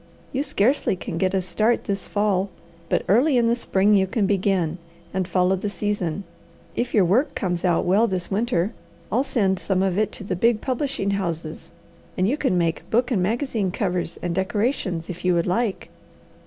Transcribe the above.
You scarcely can get a start this fall, but early in the spring you can begin, and follow the season. If your work comes out well this winter, I'll send some of it to the big publishing houses, and you can make book and magazine covers and decorations, if you would like."